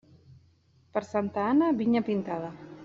Per Santa Anna, vinya pintada.